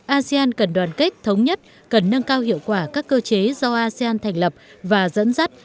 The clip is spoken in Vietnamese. asean cần đoàn kết thống nhất cần nâng cao hiệu quả các cơ chế do asean thành lập và dẫn dắt